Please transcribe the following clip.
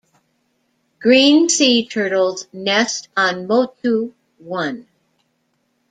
Green sea turtles nest on Motu One.